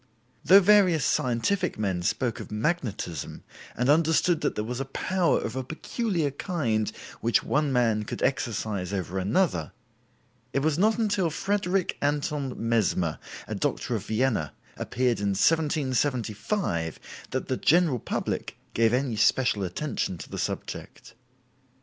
Though various scientific men spoke of magnetism, and understood that there was a power of a peculiar kind which one man could exercise over another, it was not until Frederick Anton Mesmer (a doctor of Vienna) appeared in 1775 that the general public gave any special attention to the subject.